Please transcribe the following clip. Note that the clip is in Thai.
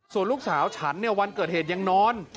ส่วนลูกสาวฉันเนี่ยวันเกิดเหตุยังนอน